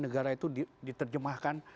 negara itu diterjemahkan